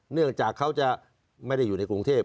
เนื่องจากเขาจะไม่ได้อยู่ในกรุงเทพ